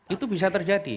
itu bisa terjadi